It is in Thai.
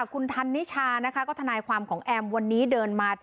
คุณธันนิชานะคะก็ทนายความของแอมวันนี้เดินมา